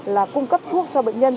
là cung cấp thuốc cho bệnh nhân